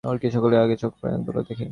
ওর কী সকলের আগে চোখে পড়ে বলো দেখি।